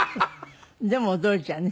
でも驚いちゃうね